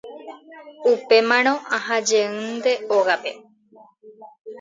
upémarõ aha jeýnte ógape